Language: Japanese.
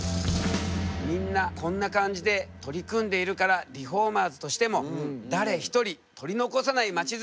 みんなこんな感じで取り組んでいるからリフォーマーズとしても誰ひとり取り残さない街づくりに貢献したいよね。